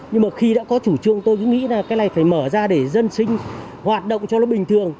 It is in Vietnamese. nhưng mà khi đã có chủ trương tôi cứ nghĩ là cái này phải mở ra để dân sinh hoạt động cho nó bình thường